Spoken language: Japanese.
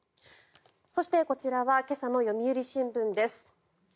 そして、こちらは今朝の読売新聞です。